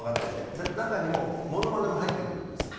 中にもモノマネも入ってくるんです。